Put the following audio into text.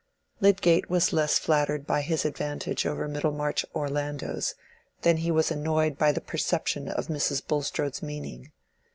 Lydgate was less flattered by his advantage over the Middlemarch Orlandos than he was annoyed by the perception of Mrs. Bulstrode's meaning.